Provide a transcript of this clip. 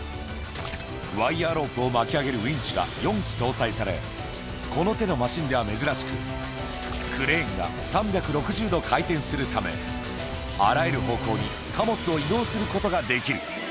ワイヤーロープを巻き上げるウインチが４基搭載され、この手のマシンでは珍しく、クレーンが３６０度回転するため、あらゆる方向に貨物を移動することができる。